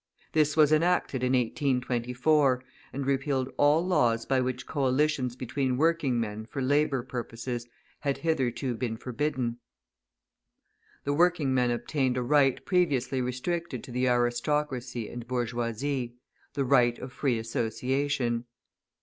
This was enacted in 1824, and repealed all laws by which coalitions between working men for labour purposes had hitherto been forbidden. The working men obtained a right previously restricted to the aristocracy and bourgeoisie, the right of free association.